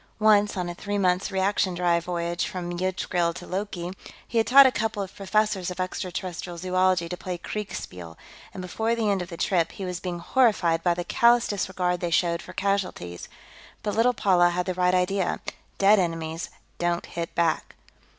Once, on a three months' reaction drive voyage from Yggdrasill to Loki, he had taught a couple of professors of extraterrestrial zoology to play kriegspiel, and before the end of the trip, he was being horrified by the callous disregard they showed for casualties. But little Paula had the right idea; dead enemies don't hit back.